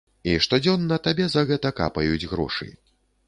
І штодзённа табе за гэта капаюць грошы.